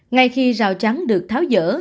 ngay khi rào trắng được tháo dỡ